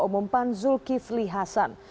umum pan zulkifli hasan